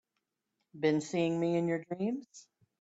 Been seeing me in your dreams?